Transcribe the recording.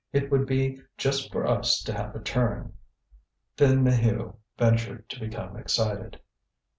it would be just for us to have a turn." Then Maheu ventured to become excited.